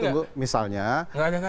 enggak ada kajian ngomong aja